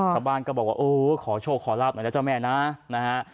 อ๋อจ้าบ้านก็บอกว่าโอ้ขอโชคขอรับหน่อยแล้วเจ้าแม่นะนะฮะ